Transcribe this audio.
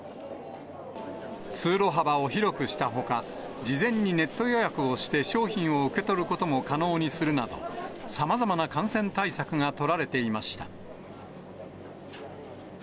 通路幅を広くしたほか、事前にネット予約をして商品を受け取ることも可能にするなど、さまざまな感染対策が取られていました。